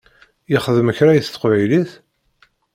Yexdem kra i teqbaylit?